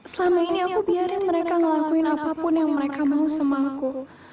selama ini aku biarin mereka ngelakuin apapun yang mereka mau sama aku